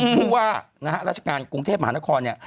ผู้ว่าราชการกรุงเทพฯมหานคร